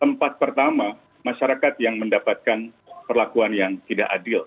tempat pertama masyarakat yang mendapatkan perlakuan yang tidak adil